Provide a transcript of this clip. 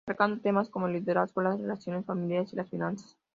Abarcando temas como el liderazgo, las relaciones familiares y las finanzas.